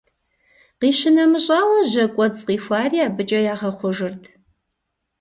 Къищынэмыщӏауэ, жьэкӏуэцӏ къихуари абыкӏэ ягъэхъужырт.